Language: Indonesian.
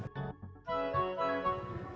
tidak ada pertanyaan